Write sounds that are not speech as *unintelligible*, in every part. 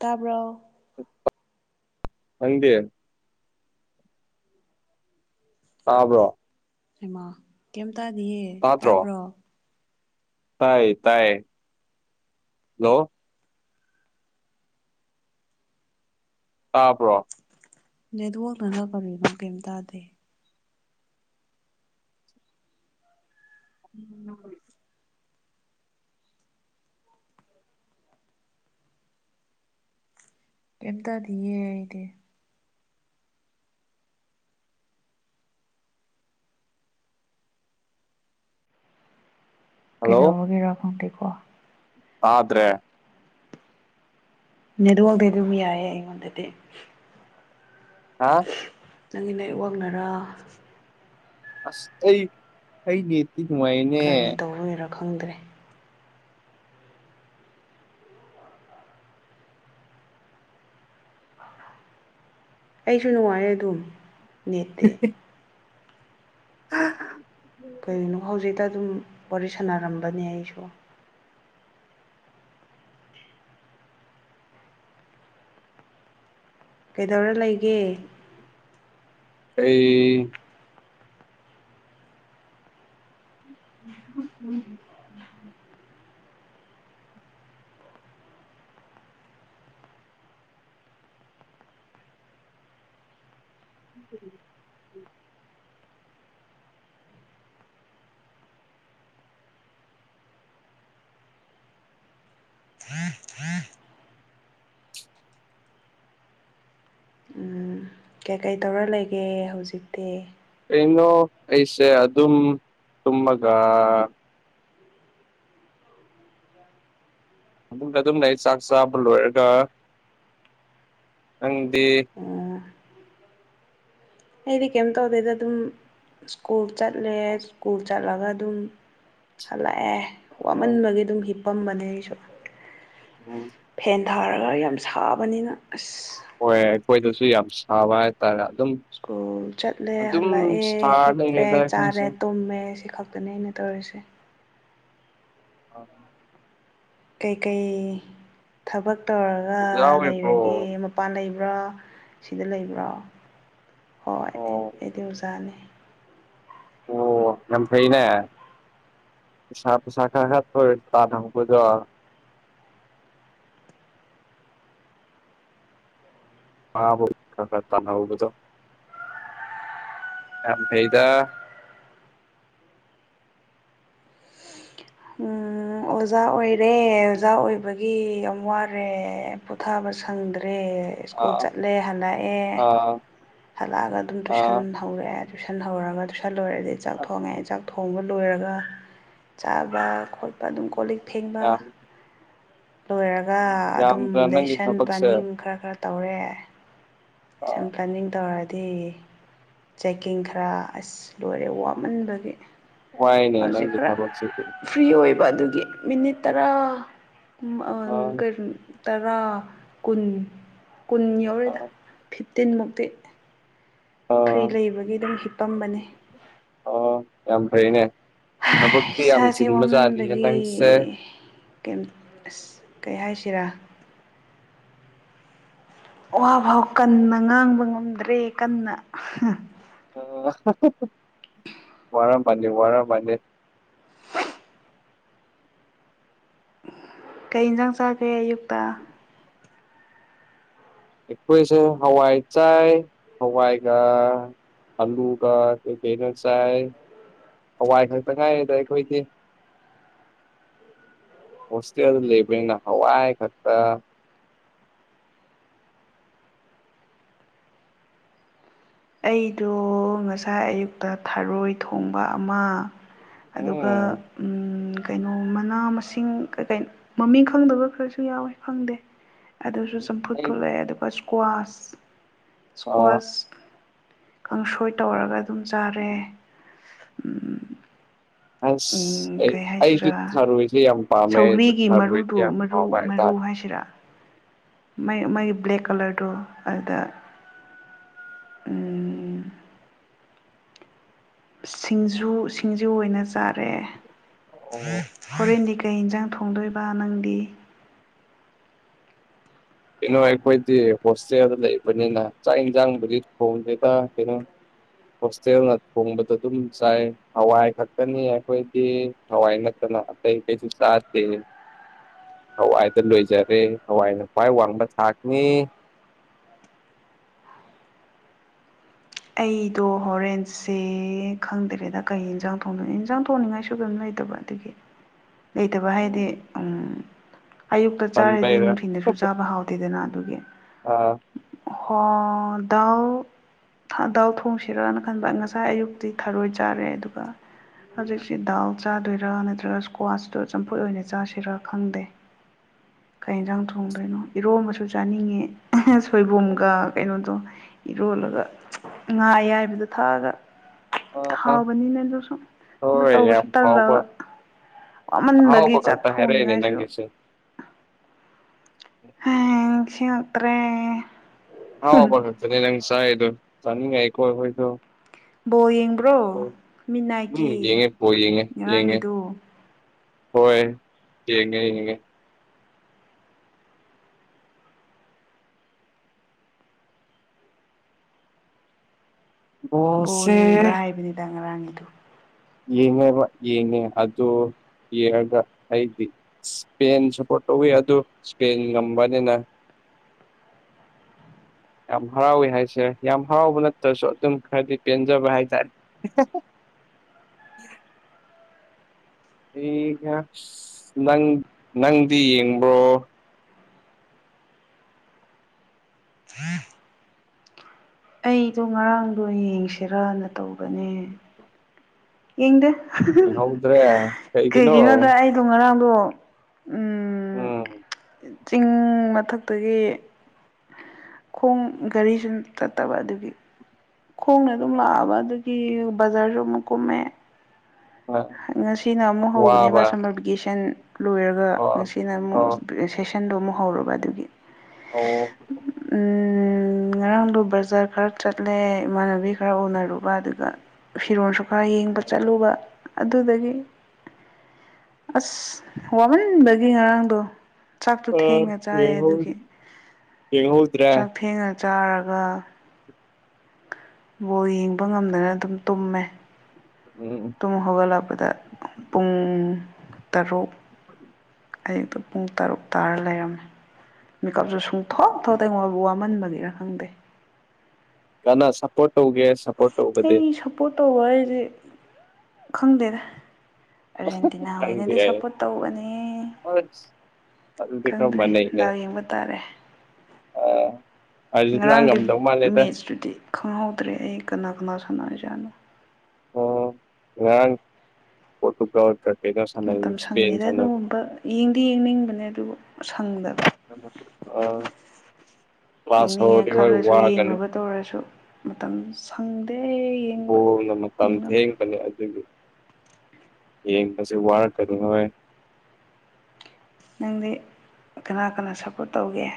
ꯇꯥꯕ꯭ꯔꯣ ꯈꯪꯗꯦ ꯇꯥꯕ꯭ꯔꯣ ꯍꯩꯃꯥ ꯀ꯭ꯌꯝ ꯇꯥꯗꯤꯌꯦ ꯇꯥꯕ꯭ꯔꯣ ꯇꯥꯏꯌꯦ ꯇꯥꯏꯌꯦ ꯍꯜꯂꯣ ꯇꯥꯕ꯭ꯔꯣ ꯅꯦꯠꯋꯥꯔꯛꯅꯔ ꯀꯔꯤꯅꯣ ꯀ꯭ꯌꯝ ꯇꯥꯗꯦ *inaudible* ꯀ꯭ꯌꯝ ꯇꯥꯗꯤꯌꯦ ꯑꯩꯗꯤ ꯍꯜꯂꯣ ꯀꯩꯗꯧꯕꯒꯤꯔꯥ ꯈꯪꯗꯦꯀꯣ ꯇꯥꯗ꯭ꯔꯦ ꯅꯦꯠꯋꯥꯔꯛꯇꯤ ꯑꯗꯨꯝ ꯌꯥꯏꯌꯦ ꯑꯩꯉꯣꯟꯗꯗꯤ ꯍꯥ ꯅꯪꯒꯤ ꯑꯦꯠꯋꯥꯛꯅꯔꯥ ꯑꯁ ꯑꯩ ꯑꯩ ꯅꯦꯠꯇꯤ ꯅꯨꯡꯉꯥꯏꯌꯦꯅꯦ ꯀꯔꯤ ꯇꯧꯕꯒꯤꯔꯥ ꯈꯪꯗ꯭ꯔꯦ ꯑꯩꯁꯨ ꯅꯨꯡꯉꯥꯏꯌꯦ ꯑꯗꯨꯝ ꯅꯦꯠꯇꯤ *unintelligible* ꯀꯩꯒꯤꯅꯣ ꯍꯧꯖꯤꯛꯇ ꯑꯗꯨꯝ ꯋꯥꯔꯤ ꯁꯥꯟꯅꯔꯝꯕꯅꯦ ꯑꯩꯁꯨ ꯀꯩꯗꯧꯔ ꯂꯩꯒꯦ ꯑꯩ ꯎꯝ *inaudible* ꯎꯝ ꯀꯩꯀꯩ ꯇꯧꯔ ꯂꯩꯒꯦ ꯍꯧꯖꯤꯛꯇꯤ ꯀꯩꯅꯣ ꯑꯩꯁꯦ ꯑꯗꯨꯝ ꯇꯨꯝꯃꯒꯥ ꯐꯃꯨꯡꯗ ꯑꯗꯨꯝ ꯂꯩꯌꯦ ꯆꯥꯛ ꯆꯥꯕ ꯂꯣꯏꯔꯒ ꯅꯪꯗꯤ ꯎꯝ ꯑꯩꯗꯤ ꯀ꯭ꯌꯝ ꯇꯧꯗꯦꯗ ꯑꯗꯨꯝ ꯁ꯭ꯀꯨꯜ ꯆꯠꯂꯦ ꯎꯝ ꯁ꯭ꯀꯨꯨꯜ ꯆꯠꯂꯒ ꯑꯗꯨꯝ ꯍꯜꯂꯛꯑꯦ ꯋꯥꯃꯟꯕꯒꯤ ꯑꯗꯨꯝ ꯍꯤꯞꯄꯝꯕꯅꯦ ꯑꯩꯁꯨ ꯎꯝ ꯐꯦꯟ ꯊꯥꯔꯒ ꯌꯥꯝ ꯁꯥꯕꯅꯤꯅ ꯑꯁ ꯍꯣꯏ ꯑꯈꯣꯏꯗꯁꯨ ꯌꯥꯝ ꯁꯥꯕ ꯍꯥꯏꯇꯥꯔꯦ ꯑꯗꯨꯝ ꯁ꯭ꯀꯨꯜ ꯆꯠꯂꯦ ꯑꯗꯨꯝ ꯍꯜꯂꯛꯑꯦ ꯁꯥꯔ ꯍꯤꯞꯄꯦ ꯂꯩꯔꯦꯗ ꯑꯩꯈꯣꯏꯁꯦ ꯆꯥꯔꯦ ꯇꯨꯝꯃꯦ ꯁꯤ ꯈꯛꯇꯅꯦ ꯑꯩꯅ ꯇꯧꯔꯤꯁꯦ ꯑꯥ ꯀꯩꯀꯩ ꯊꯕꯛ ꯇꯧꯔꯒ ꯌꯥꯎꯋꯦ ꯕ꯭ꯔꯣ ꯂꯩꯔꯒꯦ ꯃꯄꯥꯟ ꯂꯩ ꯔꯥ ꯁꯤꯗ ꯂꯩꯕ꯭ꯔꯣ ꯍꯣꯏ ꯑꯣ ꯑꯩꯗꯤ ꯑꯣꯖꯥꯅꯤ ꯑꯣ ꯌꯥꯝ ꯐꯩꯅꯦ ꯅꯤꯁꯥ ꯄꯁꯥ ꯈꯔ ꯈꯔ ꯇꯣꯢꯅ ꯆꯥꯗꯕ ꯈꯣꯢꯗꯣ *inaudible* ꯃꯥꯕꯨ ꯈꯔ ꯈꯔ ꯇꯥꯅꯧꯕꯗꯣ ꯌꯥꯝ ꯐꯩꯗꯥ ꯎꯝ ꯑꯣꯖꯥ ꯑꯣꯏꯔꯦ ꯑꯣꯖꯥ ꯑꯣꯏꯕꯒꯤ ꯌꯥꯝ ꯋꯥꯔꯦ ꯄꯨꯊꯥꯕ ꯁꯪꯗ ꯗ꯭ꯔꯦ ꯁ꯭ꯀꯨꯜ ꯑꯥ ꯆꯠꯂꯦ ꯍꯜꯂꯛꯑꯦ ꯑꯥ ꯍꯜꯂꯛꯑꯒ ꯑꯗꯨꯝ ꯑꯥ ꯇꯨꯏꯁꯟ ꯍꯧꯔꯦ ꯔꯦ ꯇꯨꯏꯁꯟ ꯍꯧꯔꯒ ꯇꯨꯏꯁꯟ ꯂꯣꯏꯔꯗꯤ ꯆꯥꯛ ꯑꯁ ꯊꯣꯡꯉꯦ ꯆꯥꯛ ꯊꯣꯡꯕ ꯂꯣꯏꯔꯒ ꯆꯥꯕ ꯈꯣꯠꯄ ꯑꯗꯨꯝ ꯀꯣꯜꯂꯤꯛ ꯐꯦꯡꯕ ꯌꯥꯝ ꯂꯣꯏꯔꯒ ꯑꯗꯨꯝ ꯌꯥꯝꯗ꯭ꯔ ꯅꯪꯒꯤ ꯂꯦꯁꯟ ꯊꯕꯛꯁꯦ ꯄ꯭ꯂꯥꯅꯤꯡ ꯈꯔ ꯈꯔ ꯇꯧꯔꯦ ꯂꯦꯁꯟ ꯄ꯭ꯂꯥꯟꯅꯤꯡ ꯇꯧꯔ ꯗꯤ ꯆꯦꯛꯀꯤꯡ ꯈꯔ ꯑꯁ ꯂꯣꯏꯔꯦ ꯋꯥꯃꯟꯕꯒꯤ ꯋꯥꯏꯅꯦ ꯍꯧꯖꯤꯛ ꯅꯪꯒꯤ ꯈꯔ ꯊꯕꯛꯁꯤꯗꯤ ꯐ꯭ꯔꯤ ꯑꯣꯏ ꯕ ꯑꯗꯨꯒꯤ ꯃꯤꯅꯤꯠ ꯇꯔꯥ ꯎꯝ ꯑꯥ ꯑꯟ ꯀꯩꯔꯨꯟ ꯇꯔꯥ ꯀꯨꯟ ꯀꯨꯟ ꯌꯧꯔꯦꯗ ꯑꯥ ꯐꯤꯞꯇꯤꯟ ꯃꯨꯛꯇꯤ ꯐ꯭ꯔꯤ ꯑꯥ ꯂꯩꯕꯒꯤ ꯑꯗꯨꯝ ꯍꯤꯞꯄꯝꯕꯅꯦ ꯐꯩꯌꯦꯅꯦ ꯊꯕꯛꯇꯤ ꯌꯥꯝ ꯏꯁꯥꯁꯦ ꯆꯤꯟꯕꯖꯥꯠꯅꯤꯅꯦ ꯅꯪꯁꯦ ꯀ꯭ꯌꯝ ꯑꯁ ꯀꯩ ꯍꯥꯏꯁꯤꯔꯥ ꯋꯥ ꯐꯥꯎ ꯀꯟꯅ ꯉꯥꯡꯕ ꯉꯝꯗ꯭ꯔꯦ ꯀꯟꯅ ꯑꯥ ꯋꯥꯗꯤ ꯋꯥꯔꯝꯃꯅꯤ ꯀꯩ ꯍꯦꯟꯖꯥꯡ ꯆꯥꯈ꯭ꯔꯦ ꯑꯌꯨꯛꯇ ꯑꯩꯈꯣꯏꯁꯦ ꯍꯋꯥꯏ ꯆꯥꯏ ꯍꯋꯥꯏꯒ ꯑꯜꯂꯨꯒ ꯀꯩꯀꯩꯅꯣ ꯆꯥꯏ ꯍꯋꯥꯏ ꯈꯛꯇꯪ ꯉꯥꯏꯔꯦꯗ ꯑꯩꯈꯣꯏꯗꯤ ꯍꯣꯁꯇꯦꯜꯗ ꯂꯩꯕꯅꯤꯅ ꯍꯋꯥꯏ ꯈꯛꯇ *inaudible* ꯑꯩꯗꯣ ꯉꯁꯥꯏ ꯑꯌꯨꯛꯇ ꯊꯔꯣꯏ ꯊꯣꯡꯕ ꯑꯃ ꯑꯗꯨꯒ ꯎꯝ ꯎꯝ ꯀꯩꯅꯣ ꯃꯅꯥ ꯃꯁꯤꯡ ꯀꯩꯀꯩꯅꯣ ꯃꯃꯤꯡ ꯈꯪꯗꯕ ꯈꯔꯁꯨ ꯌꯥꯎꯋꯦ ꯈꯪꯗꯦ ꯑꯗꯨꯁꯨ ꯆꯝꯐꯨꯠ ꯑꯩ ꯐꯨꯠꯂꯦ ꯑꯗꯨꯒ ꯁꯀ꯭ꯋꯥꯁ ꯑ ꯁꯀ꯭ꯋꯥꯁ ꯀꯥꯡꯁꯣꯏ ꯇꯧꯔꯒ ꯑꯗꯨꯝ ꯆꯥꯔꯦ ꯎꯝ ꯑꯁ ꯎꯝ ꯑꯩ ꯀꯩ ꯑꯩꯗꯤ ꯍꯥꯏꯁꯤꯔꯥ ꯊꯔꯣꯏꯁꯦ ꯌꯥꯝ ꯄꯥꯝꯃꯦ ꯑꯩꯁꯨ ꯁꯧꯒ꯭ꯔꯤꯒꯤ ꯊꯔꯣꯏꯁꯦ ꯃꯔꯨꯗꯣ ꯌꯥꯝ ꯃꯔꯨ ꯍꯥꯎꯕ ꯃꯔꯨ ꯍꯥꯏꯇꯥꯔꯦ ꯍꯥꯏꯁꯤꯔꯥ ꯃꯥꯥꯏ ꯃꯥꯒꯤ ꯕ꯭ꯂꯦꯛ ꯀꯂꯔꯗꯨ ꯑꯗꯨꯗ *inaudible* ꯁꯤꯡꯖꯨ ꯁꯤꯡꯖꯨ ꯑꯣꯏꯅ ꯆꯥꯔꯦ ꯑꯣ ꯍꯣꯔꯦꯟꯗꯤ ꯀ ꯀꯩ ꯍꯤꯟꯖꯥꯡ ꯊꯣꯡꯗꯨꯏꯕ ꯅꯪꯗꯤ ꯀꯩꯅꯣ ꯑꯩꯈꯣꯏꯗꯤ ꯍꯣꯁꯇꯦꯜꯗ ꯂꯩꯕꯅꯤꯅ ꯆꯥꯛ ꯢꯟꯖꯥꯡꯕꯨꯗꯤ ꯊꯣꯡꯗꯦꯗ ꯀꯩꯅꯣ ꯍꯣꯁꯇꯦꯜꯅ ꯊꯣꯡꯕꯗꯨ ꯑꯗꯨꯝ ꯆꯥꯏ ꯍꯋꯥꯏ ꯈꯛꯇꯅꯤ ꯑꯩꯈꯣꯏꯗꯤ ꯍꯋꯥꯏ ꯅꯠꯇ ꯅ ꯑꯇꯩ ꯀꯩꯁꯨ ꯆꯥꯗꯦ ꯍꯋꯥꯏꯗ ꯂꯣꯏꯖꯔꯦ ꯍꯋꯥꯏꯅ ꯈ꯭ꯋꯥꯏ ꯋꯥꯡꯕ ꯊꯥꯛꯅꯤ ꯑꯩꯗꯣ ꯍꯣꯔꯦꯟꯁꯦ ꯈꯪꯗꯔꯦꯗ ꯀꯩ ꯍꯤꯟꯖꯥꯡ ꯊꯣꯡꯗꯣꯏꯅꯣ ꯏꯟꯖꯥꯡ ꯊꯣꯡꯅꯤꯡꯉꯥꯏꯁꯨ ꯀ꯭ꯌꯝ ꯂꯩ ꯇꯕ ꯑꯗꯨꯒꯤ *inaudible* ꯂꯩꯇꯕ ꯎꯝ ꯍꯥꯏꯗꯤ ꯎꯝ ꯑꯌꯨꯛꯇ ꯆꯥꯔꯗꯤ ꯄꯟꯕꯩꯔ ꯅꯨꯡꯊꯤꯟꯜꯗꯁꯨ ꯆꯥꯕ ꯍꯥꯎꯇꯦꯗꯅ ꯑꯗꯨꯒꯤ ꯑꯥ ꯍꯣ ꯗꯧ ꯊꯥꯗꯥꯎ ꯊꯣꯡꯁꯤꯔꯅ ꯈꯟꯕ ꯉꯁꯥꯏ ꯑꯌꯨꯛꯇꯤ ꯊꯔꯣꯏ ꯆꯥꯔꯦ ꯑꯗꯨꯒ ꯎꯝ, ꯍꯧꯖꯤꯛꯁꯤ ꯗꯥꯎ ꯆꯥꯗꯣꯏꯔꯥ ꯅꯠꯇ꯭ꯔꯒ ꯏꯁꯀ꯭ꯋꯥꯁꯇꯣ ꯆꯝꯐꯨꯠ ꯑꯣꯏꯅ ꯆꯥꯁꯤꯔꯥ ꯈꯪꯗꯦ *inaudible* ꯀꯩ ꯌꯦꯟꯖꯥꯡ ꯊꯣꯡꯗꯣꯏꯅꯣ ꯏꯔꯣꯝꯕꯁꯨ ꯆꯥꯅꯤꯡꯉꯦ ꯑꯍꯥ ꯎꯝ, ꯁꯣꯏꯕꯨꯝꯒ ꯀꯩꯅꯣꯗꯣ ꯏꯔꯣꯟ ꯕꯒ ꯉꯥ ꯑꯌꯥꯏꯕꯗꯣ ꯊꯛꯑꯒ ꯑꯥ ꯑꯥ ꯍꯥꯎꯕꯅꯤꯅꯦ ꯑꯗꯨ ꯁꯨ ꯑꯗꯨ ꯍꯣꯏ ꯇꯧꯕꯁꯨ ꯌꯥꯝ ꯍꯥꯎꯕ ꯇꯜꯂꯕ ꯋꯥꯃꯟꯕꯒꯤ ꯑꯍꯥꯎꯕ ꯆꯥꯛ ꯈꯛꯇ ꯍꯥꯏꯔꯛꯏꯅꯦ ꯊꯣꯡꯅꯤꯡꯉꯥꯏꯁꯨ ꯎꯝ ꯁꯤꯉꯛ ꯇꯔꯦ ꯑꯍꯥꯎ ꯈꯛꯇꯅꯦ ꯅꯪ ꯆꯥꯏ ꯑꯗꯨ ꯆꯅꯤꯡꯉꯛꯑꯦꯀꯣ ꯑꯈꯣꯏꯗꯣ ꯕꯣꯜ ꯌꯦꯡꯕ꯭ꯔꯣ ꯃꯤꯠ ꯎꯝ ꯅꯥꯠꯀꯤ ꯌꯦꯡꯉꯦ ꯕꯣꯜ ꯌꯦꯡꯉꯦ ꯌꯦꯡꯉꯦ ꯉꯔꯥꯡꯒꯤꯗꯨ ꯍꯣꯏ ꯌꯦꯡꯉꯦ ꯌꯦꯡꯉꯦ ꯕꯣꯜ ꯕꯣꯜꯁꯦ ꯌꯦꯡꯕ꯭ꯔꯥ ꯍꯥꯏꯕꯅꯤꯗ ꯉꯔꯥꯡꯒꯤꯗꯨ ꯌꯦꯡꯉꯦꯕ ꯌꯦꯡꯉꯦ ꯑꯗꯨ ꯌꯦꯡꯉꯒ ꯑꯩꯗꯤ ꯏꯁꯄꯦꯟ ꯁꯄꯣꯔꯠ ꯇꯧꯋꯤ ꯑꯗꯨ ꯏꯁꯄꯦꯟ ꯉꯝꯕꯅꯤꯅ *inaudible* ꯌꯥꯝ ꯍꯔꯥꯎꯋꯤ ꯍꯥꯏꯁꯦ ꯌꯥꯝ ꯍꯔꯥꯎꯕ ꯅꯠꯇ꯭ꯔꯁꯨ ꯑꯗꯨꯝ ꯈꯔꯗꯤ ꯄꯦꯟꯖꯕ ꯍꯥꯏꯇꯥꯔꯦ *unintelligible* ꯑꯩꯒ ꯅꯪ ꯅꯪꯗꯤ ꯌꯦꯡꯕ꯭ꯔꯣ ꯑꯩꯗꯣ ꯉꯔꯥꯡꯗꯣ ꯌꯦꯡꯁꯤꯔꯅ ꯇꯧꯕꯅꯦ ꯌꯦꯡꯗꯦ ꯌꯦꯡꯍꯧꯗ꯭ꯔꯦ ꯀꯩꯒꯤꯅꯣ ꯀꯩꯒꯤꯅꯣꯗ ꯑꯩꯗꯣ ꯉꯔꯥꯡ ꯗꯣ ꯎꯝ ꯆꯤꯡ ꯃꯊꯛꯇꯒꯤ ꯈꯣꯡ ꯒꯥꯔꯤ ꯁꯨ ꯆꯠꯇꯕ ꯑꯗꯨꯒꯤ ꯈꯣꯡꯅ ꯑꯗꯨꯝ ꯂꯥꯛꯑꯕ ꯑꯗꯨꯗꯒꯤ ꯕꯖꯥꯔꯁꯨ ꯑꯃꯨꯛ ꯀꯨꯝꯃꯦ ꯉꯁꯤꯅ ꯑꯃꯨꯛ ꯍꯧꯕꯅꯦꯕ ꯋꯥꯕ ꯁꯝꯃꯔ ꯚꯤꯀꯦꯁꯟ ꯂꯣꯏꯔꯒ ꯑꯣ ꯉꯁꯤꯅ ꯑꯃꯨꯛ ꯑꯣ ꯁꯦꯁꯟꯗꯣ ꯑꯃꯨꯛ ꯍꯧꯔꯕ ꯑꯗꯨꯒꯤ ꯑꯣ ꯎꯝ ꯎꯝ ꯉꯔꯥꯡꯗꯨꯣ ꯕꯖꯥꯔ ꯈꯔ ꯆꯠꯂꯦ ꯏꯃꯥꯟꯅꯕꯤ ꯈꯔ ꯎꯅꯔꯨ ꯕ ꯑꯗꯨꯒ ꯐꯤꯔꯣꯜꯁꯨ ꯈꯔ ꯌꯦꯡꯕ ꯑ ꯆꯠꯂꯨꯕ ꯑꯗꯨꯗꯒꯤ ꯑꯁ ꯋꯥꯃꯟꯕꯒꯤ ꯉꯔꯥꯡꯗꯣ ꯆꯥꯛꯇꯣ ꯊꯦꯡꯉ ꯆꯥꯏꯌꯦ ꯌꯦꯡꯍꯧ ꯑꯗꯨꯒꯤ ꯆꯥꯛ ꯌꯦꯡꯍꯧꯗ꯭ꯔꯦ ꯊꯦꯡꯉ ꯆꯥꯔꯒ ꯕꯣꯜ ꯌꯦꯡꯕ ꯉꯝꯗꯅ ꯑꯗꯨꯝ ꯇꯨꯝꯃꯦ ꯎꯝ ꯇꯨꯝ ꯍꯧꯒꯠꯂꯛꯄꯗ ꯄꯨꯡ ꯇꯔꯨꯛ ꯑꯌꯨꯛꯇꯣ ꯄꯨꯡ ꯇꯔꯨꯛ ꯇꯥꯔ ꯂꯩꯔꯝꯃꯦ ꯃꯤꯀꯞꯁꯨ ꯁꯨꯛ ꯁꯨꯡꯊꯣꯛ ꯊꯣꯛꯇꯦ ꯋꯥ ꯋꯥꯃꯟꯕꯒꯤꯔ ꯈꯪꯗꯦ ꯀꯅꯥ ꯁꯞꯄꯣꯠ ꯇꯧꯒꯦ ꯁꯞꯄꯣꯠ ꯇꯧꯕꯗꯤ ꯑꯩ ꯁꯞꯄꯣꯔꯠ ꯇꯧꯕ ꯍꯥꯏꯁꯤ ꯈꯪꯗꯦꯗ ꯑꯥꯔꯖꯦꯟꯇꯤꯅꯥ ꯈꯪꯕ ꯑꯣꯏꯅꯗꯤ ꯌꯥꯏ ꯁꯞꯄꯣꯠ ꯇꯧꯒꯅꯤ ꯑꯁ ꯑꯗꯨꯗꯤ ꯈꯔ ꯈꯪꯗ꯭ꯔꯦ ꯗꯥꯎ ꯌꯦꯡꯕ ꯇꯥꯔꯦ ꯑ ꯉꯔꯥꯡꯒꯤ ꯃꯦꯆꯇꯨꯗꯤ ꯈꯪꯍꯧꯗ꯭ꯔꯦ ꯑꯩ ꯀꯅꯥ ꯀꯅꯥ ꯁꯥꯟꯅꯔꯤꯖꯥꯠꯅꯣ ꯑꯣ ꯉꯔꯥꯡ ꯄꯣꯔꯇꯨꯒꯜ ꯃꯇꯝ ꯁꯪꯗꯦꯗ ꯑꯗꯨꯒꯨꯝꯕ ꯌꯦꯡꯗꯤ ꯌꯦꯡꯅꯤꯡꯕꯅꯦ ꯑꯗꯨꯕꯨ ꯁꯪꯗꯕ ꯑꯥ ꯌꯦꯡꯅꯤꯡꯉꯦ ꯈꯜꯂꯁꯨ ꯌꯦꯡꯅꯕ ꯇꯧꯔꯁꯨ ꯃꯇꯝ ꯁꯪꯗꯦ ꯌꯦꯡꯕ ꯕꯣꯜꯅ ꯃꯇꯝ ꯌꯦꯡꯅꯕ ꯊꯦꯡꯕꯅꯤ ꯑꯗꯨꯒꯤ ꯌꯦꯡꯕꯁꯦ ꯋꯥꯔꯀꯇꯗꯨꯉꯥꯏ ꯅꯪꯗꯤ ꯀꯅꯥ ꯀꯅꯥ ꯁꯞꯄꯣꯔꯠ ꯇꯧꯒꯦ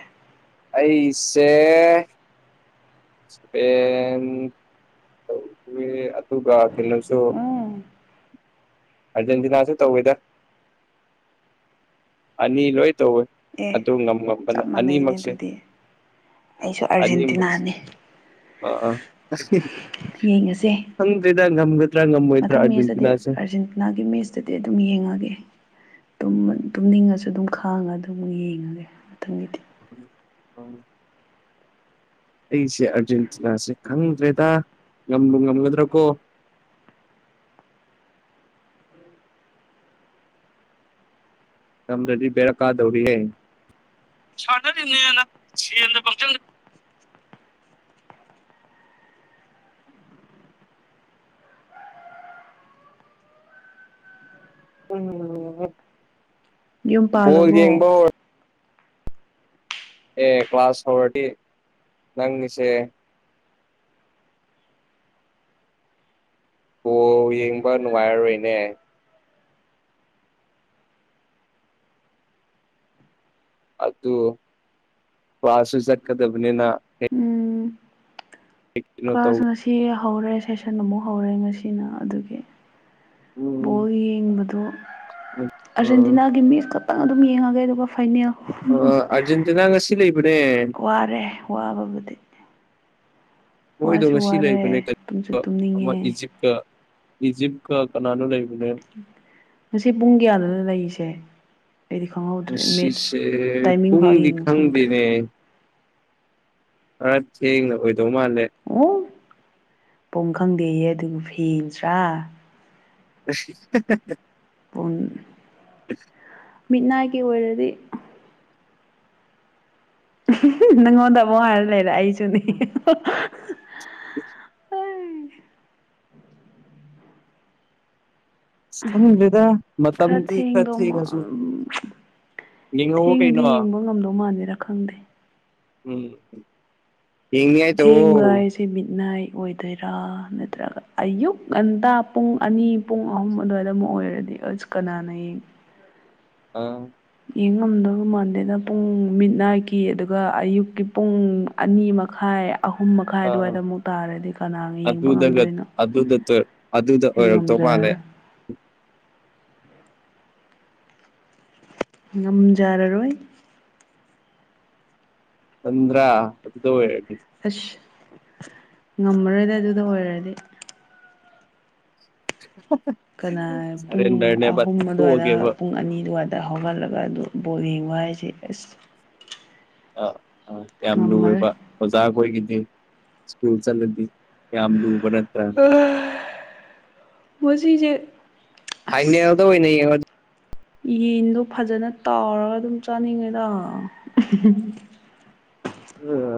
ꯑꯩꯁꯦ ꯏꯁꯄꯦꯟ ꯇꯧꯏ ꯑꯗꯨꯒ ꯀꯩꯅꯣꯁꯨ ꯎꯝ ꯑꯤꯔꯖꯦꯟꯇꯤꯅꯥꯁꯨ ꯇꯧꯋꯦꯗ ꯑꯅꯤ ꯂꯣꯏ ꯇꯧꯋꯦ ꯑꯦ ꯑꯗꯨ ꯉꯝꯃꯝꯕꯅ ꯆꯞ ꯃꯥꯟꯅꯩꯅꯦ ꯑꯅꯤꯃꯛꯁꯦ ꯑꯗꯨꯗꯤ ꯑꯩꯁꯨ ꯑꯅꯤꯃꯛ ꯑꯥꯔꯖꯦꯟꯇꯤꯅꯅꯦ ꯑꯥ ꯌꯦꯡꯉꯁꯦ ꯈꯪꯗꯦꯗ ꯃꯊꯪ ꯃꯦꯠꯁꯇꯗꯤ ꯑꯥꯔꯖꯦꯟꯇꯤꯅꯥꯒꯤ ꯃꯦꯠꯁꯇꯗꯤ ꯑꯗꯨꯝ ꯌꯦꯡꯉꯒꯦ ꯇꯨꯝꯅꯤꯡꯉꯁꯨ ꯑꯗꯨꯝ ꯈꯥꯡꯉꯒ ꯑꯗꯨꯝ ꯌꯦꯡꯉꯒꯦ ꯃꯊꯪꯗꯗꯤ *unintelligible* ꯑꯩꯁꯦ ꯑꯥꯔꯖꯦꯟꯇꯤꯅꯥꯁꯦ ꯈꯪꯗ꯭ꯔꯦꯗ ꯉꯝꯕꯨ ꯉꯝꯒꯗ꯭ꯔꯀꯣ *inaudible* ꯉꯝꯗ꯭ꯔꯗꯤ ꯕꯦꯔ ꯀꯥꯗꯧꯔꯤ ꯍꯥꯏ ꯁꯥꯟꯅꯔꯤꯅꯦꯅ ꯁꯦꯜꯗ ꯄꯪꯆꯪꯗ ꯆꯪ *unintelligible* ꯌꯨꯝ ꯕꯣꯜ ꯄꯥꯜꯂꯕꯣ ꯌꯦꯡꯕ ꯍꯧꯔ ꯑꯦ ꯀ꯭ꯂꯥꯁ ꯍꯧꯔꯗꯤ ꯅꯪꯒꯤꯁꯦ ꯕꯣꯜ ꯌꯦꯡꯕ ꯅꯨꯡꯉꯥꯏꯔꯔꯣꯏꯅꯦ ꯑꯗꯨ ꯀ꯭ꯂꯥꯁꯨ ꯆꯠꯀꯗꯕꯅꯤꯅ ꯎꯝ ꯀꯩꯅꯣ ꯇꯧ ꯀ꯭ꯂꯥꯁ ꯉꯁꯤ ꯍꯧꯔꯦ ꯁꯦꯁꯟ ꯑꯃꯨꯛ ꯍꯧꯔꯦ ꯉꯁꯤꯅ ꯑꯗꯨꯒꯤ ꯎꯝ ꯕꯣꯜ ꯌꯦꯡꯕꯗꯨ ꯑꯔꯖꯦꯟꯇꯤꯅꯥꯒꯤ ꯃꯦꯁꯇ ꯈꯤꯇꯪ ꯑꯗꯨꯝ ꯌꯦꯡꯉꯒꯦ ꯑꯗꯨꯒ ꯐꯥꯏꯅꯦꯜ ꯑꯥꯔꯖꯦꯟꯇꯤꯅꯥ ꯉꯁꯤ ꯂꯩꯕꯅꯦ ꯋꯥꯔꯦ ꯋꯥꯕꯕꯨꯗꯤ ꯃꯣꯏꯗꯣ ꯋꯥꯁꯨ ꯉꯁꯤ ꯂꯩꯕꯅꯦ ꯋꯥꯔꯦ ꯇꯨꯝꯁꯨ ꯑꯃ ꯇꯨꯝꯅꯤꯡꯉꯦ ꯏꯖꯤꯞꯀ ꯏꯖꯤꯞꯀ ꯀꯅꯥꯅꯣ ꯂꯩ ꯉꯁꯤ ꯄꯨꯡ ꯀꯌꯥꯗꯅꯣ ꯂꯩꯔꯤꯁꯦ ꯑꯩꯗꯤ ꯈꯪꯍꯧꯗ꯭ꯔꯦ ꯃꯦꯠꯁ ꯉꯁꯤꯁꯦ ꯇꯥꯏꯃꯤꯡ ꯐꯥꯎ ꯄꯨꯡꯗꯤ ꯌꯦꯡꯕ ꯁꯪꯗ꯭ꯔꯦ ꯈꯪꯗꯦꯅꯦ ꯈꯔꯥ ꯊꯦꯡꯅ ꯑꯣꯏ ꯑꯣ ꯄꯨꯡ ꯈꯪꯗꯦꯌꯦ ꯑꯗꯨꯕꯨ ꯐꯦꯟꯁ ꯂꯥ *unintelligible* ꯄꯨꯡ ꯃꯤꯠꯅꯥꯏꯠꯀꯤ ꯑꯣꯏꯔꯗꯤ ꯍꯥ ꯍꯥ ꯅꯪꯉꯣꯟꯗ ꯑꯃꯨꯛ ꯍꯥꯏꯔ ꯂꯩꯔꯦ ꯑꯩꯁꯨꯅꯦ *unintelligible* ꯈꯪꯗ꯭ꯔꯦꯗ ꯈꯥꯔ ꯃꯇꯝꯗꯤ ꯈꯔ ꯊꯦꯡꯗꯧ ꯊꯦꯡꯉꯁꯨ ꯃꯥꯥꯜ *unintelligible* ꯌꯦꯡꯍꯧꯋ ꯊꯦꯡꯉꯗꯤ ꯀꯩꯅꯣ ꯌꯦꯡꯕ ꯉꯝꯗꯧ ꯃꯥꯥꯟꯗꯦꯗ ꯈꯪꯗꯦ ꯎꯝ ꯌꯦꯡꯅꯤꯡꯉꯥꯏ ꯊꯦꯡꯕ ꯇꯧꯑꯣ ꯍꯥꯏꯁꯦ ꯃꯤꯠꯅꯥꯏꯠ ꯑꯣꯏꯗꯨꯏꯔꯥ ꯅꯠꯇ꯭ꯔꯒ ꯑꯌꯨꯛ ꯉꯟꯇꯥ ꯄꯨꯡ ꯑꯅꯤ ꯄꯨꯡ ꯑꯍꯨꯝ ꯑꯗ꯭ꯋꯥꯏꯗ ꯑꯃꯨꯛ ꯑꯣꯏꯔ ꯗꯤ ꯑꯁ ꯀꯥꯅꯥꯅ ꯌꯦꯡ ꯑꯥ ꯌꯦꯡ ꯉꯝꯗꯧꯒ ꯃꯥꯟꯗꯦꯗ ꯄꯨꯡ ꯃꯤꯠꯅꯥꯏꯠꯀꯤ ꯑꯗꯨꯒ ꯑꯌꯨꯛꯀꯤ ꯄꯨꯡ ꯑꯅꯤ ꯃꯈꯥꯏ ꯑꯍꯨꯝ ꯃꯈꯥꯏ ꯑꯥ ꯑꯗ꯭ꯋꯥꯏꯗ ꯑꯃꯨꯛ ꯇꯥꯔꯗꯤ ꯀꯅꯥꯅ ꯌꯦꯡꯕ ꯑꯗꯨꯗꯒ ꯉꯝꯗꯣꯏꯅꯣ ꯑꯗꯨꯗ ꯑꯗꯨꯗ ꯑꯩꯗꯤ ꯑꯣꯏꯔꯛꯇꯧ ꯃꯥꯜꯂꯦ ꯉꯝꯖꯔꯔꯣꯏ ꯉꯝꯖꯔꯔꯣꯏ ꯇꯟꯗ꯭ꯔꯥ ꯑꯗꯨꯗ ꯑꯣꯢꯔꯗꯤ ꯑꯁ ꯉꯝꯃꯔꯣꯢꯗ ꯑꯗꯨꯗ ꯑꯣꯏꯔꯗꯤ ꯀꯅꯥꯢ ꯄꯨꯡ ꯁꯔꯦꯟꯗꯔꯅꯦꯕ ꯑꯍꯨꯝ ꯑꯗ꯭ꯋꯥꯏꯗ ꯇꯣꯛꯑꯒꯦꯕ ꯄꯨꯡ ꯑꯅꯤ ꯑꯗꯨꯋꯥꯏ ꯗ ꯍꯧꯒꯠꯂꯒ ꯑꯗꯨꯝ ꯕꯣꯜ ꯌꯦꯡꯕ ꯍꯥꯏꯖꯦ ꯑꯁ ꯑ ꯑ ꯌꯥꯝ ꯂꯨꯋꯦꯕ ꯉꯝꯃꯔꯣꯏ ꯑꯣꯖꯥꯈꯣꯏꯒꯤꯗꯤ ꯁ꯭ꯀꯨꯜ ꯆꯠꯂꯗꯤ ꯌꯥꯝ ꯂꯨꯕ ꯅꯠꯇ꯭ꯔ ꯁꯤꯁꯦ ꯐꯥꯏꯅꯦꯜꯗ ꯑꯣꯏꯅ ꯌꯦꯡꯉꯣ ꯌꯦꯟꯗꯣ ꯐꯖꯅ ꯇꯥꯎꯔꯒ ꯑꯗꯨꯝ ꯆꯥꯅꯤꯡꯉꯦꯗ ꯎꯝ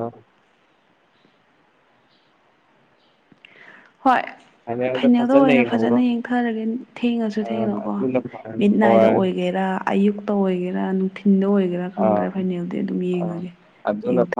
ꯍꯣꯏ ꯐꯥꯏꯅꯦꯜꯗ ꯐꯖꯅ ꯑꯣꯏꯅ ꯌꯦꯡꯍꯧꯔꯣ ꯐꯖꯅ ꯌꯦꯡꯊꯔꯒꯦ ꯊꯦꯡꯉꯁꯨ ꯑꯥ ꯊꯦꯡꯅꯀꯣ ꯑꯗꯨꯅ ꯐꯔꯅꯤ ꯃꯤꯠꯅꯥꯏꯗ ꯍꯣꯏ ꯑꯣꯏꯒꯦꯔꯥ ꯑꯌꯨꯛꯇ ꯑꯣꯏꯒꯦꯔꯥ ꯅꯨꯡ ꯗꯤꯟꯗ ꯑꯣꯏꯒꯦꯔꯥ ꯈꯪꯗ꯭ꯔꯦ ꯑꯥ ꯐꯥꯏꯅꯦꯜꯗꯤ ꯑꯗꯨꯝ ꯑꯥ ꯌꯦꯡꯉꯒꯦ ꯑꯗꯨꯅ ꯌꯦꯡꯊ